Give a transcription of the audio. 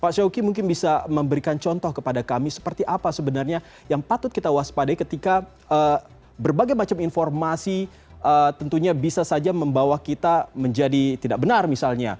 pak syawki mungkin bisa memberikan contoh kepada kami seperti apa sebenarnya yang patut kita waspadai ketika berbagai macam informasi tentunya bisa saja membawa kita menjadi tidak benar misalnya